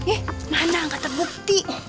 ih mana ga terbukti